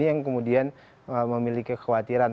yang kemudian memiliki kekhawatiran